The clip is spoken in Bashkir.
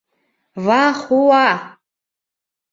Вах-уа-а!